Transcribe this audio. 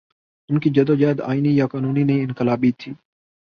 ان کی جد وجہد آئینی یا قانونی نہیں، انقلابی تھی۔